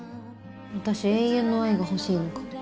私永遠の愛が欲しいのかも。